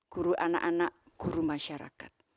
guru anak anak guru masyarakat